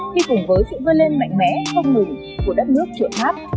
khi cùng với sự vươn lên mạnh mẽ công nữ của đất nước chuẩn hấp